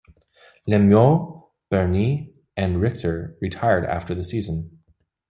Lemieux, Burnie and Richter retired after the season.